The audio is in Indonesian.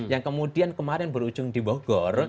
yang kemudian kemarin berujung dibohgor